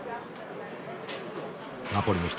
ナポリの人